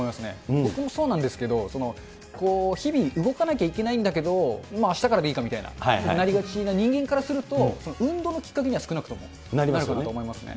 僕もそうなんですけど、日々、動かなきゃいけないんだけど、あしたからでいいかみたいな、なりがちな人間からすると、運動のきっかけには少なくともなるかなと思いますね。